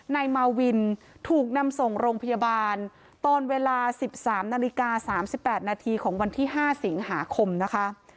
นายมาวินถูกนำส่งโรงพยาบาลตอนเวลา๑๓นาฬิกา๓๘นาทีของวันที่๕สิงหาคมนะคะ